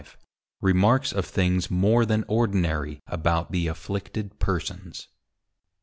REMARKS OF THINGS MORE THAN ORDINARY ABOUT THE AFFLICTED PERSONS.